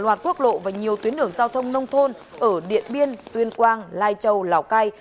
loạt quốc lộ và nhiều tuyến đường giao thông nông thôn ở điện biên tuyên quang lai châu lào cai